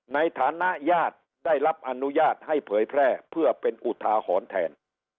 ในฐานะญาติได้รับอนุญาตให้เผยแพร่เพื่อเป็นอุทาหรณ์แทน